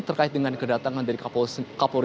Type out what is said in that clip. terkait dengan kedatangan dari kapolri